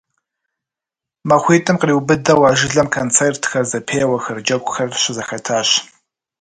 Махуитӏым къриубыдэу а жылэм концертхэр, зэпеуэхэр, джэгухэр щызэхэтащ.